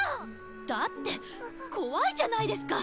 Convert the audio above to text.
だって怖いじゃないですか！